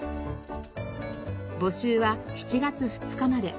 募集は７月２日まで。